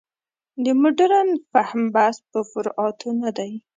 د مډرن فهم بحث پر فروعاتو نه دی.